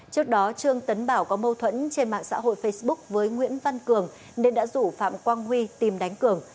trước đó trương tấn bảo có mâu thuẫn trên mạng xã hội facebook với nguyễn văn cường nên đã rủ phạm quang huy tìm đánh cường